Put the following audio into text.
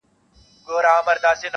• لس ډوله تعبیرونه وړاندي کړي -